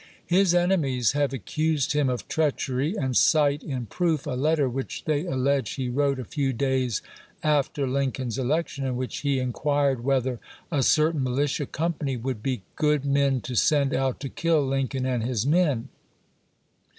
His enemies have accused him of treachery, and cite in proof a letter which they allege he wrote a few days after Lincoln's election in which he inquired whether a certain militia company would be " good men to send out to kill Lincoln and his men."